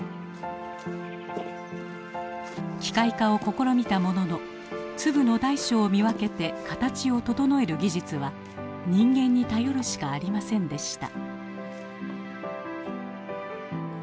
機械化を試みたものの粒の大小を見分けて形を整える技術は人間に頼るしかありませんでした。